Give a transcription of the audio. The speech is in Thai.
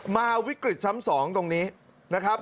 มาวิกฤษซ้ำ๒ตรงนี้นะครับ